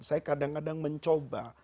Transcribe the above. saya kadang kadang mencoba